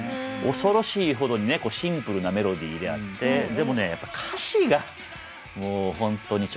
恐ろしいほどにねシンプルなメロディーであってでもねやっぱ歌詞がもうホントに直撃された。